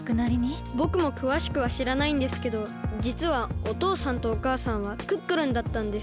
ぼくもくわしくはしらないんですけどじつはおとうさんとおかあさんはクックルンだったんです。